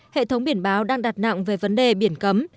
hệ thống biển báo đang đặt nặng về vấn đề biển cấm